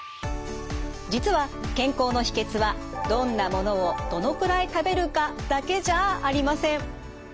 実は健康の秘けつはどんなものをどのくらい食べるかだけじゃありません。